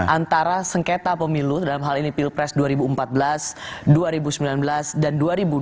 antara sengketa pemilu dalam hal ini pilpres dua ribu empat belas dua ribu sembilan belas dan dua ribu dua puluh